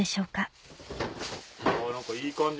何かいい感じ。